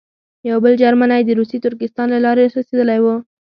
یو بل جرمنی د روسي ترکستان له لارې رسېدلی وو.